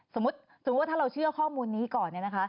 สมมุติว่าถ้าเราเชื่อข้อมูลนี้ก่อน